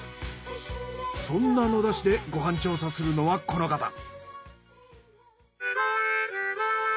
そんな野田市でご飯調査するのはこの方。